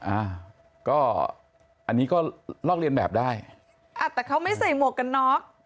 อ่าก็อันนี้ก็ลอกเรียนแบบได้อ่าแต่เขาไม่ใส่หมวกกันน็อก